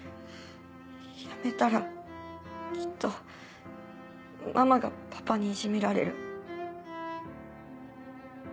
やめたらきっとママがパパにいじめられる。